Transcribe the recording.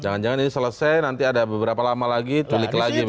jangan jangan ini selesai nanti ada beberapa lama lagi tulik lagi begitu ya